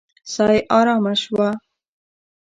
ساه يې آرامه شوه.